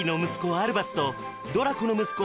アルバスとドラコの息子